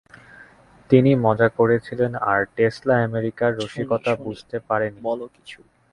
তিনি মজা করেছিলেন আর টেসলা আমেরিকার রসিকতা বুঝতে পারে নি।